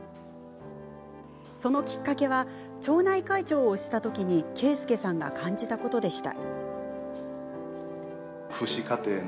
そのきっかけは町内会長をしたときに恵介さんが感じたことでした。